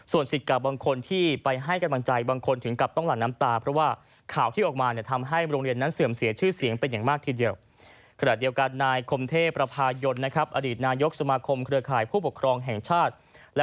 ส่วนสิทธิ์กับบางคนที่ไปให้กำลังใจ